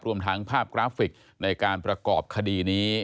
รวมทั้งภาพกราฟิกในการประกอบคดีนี้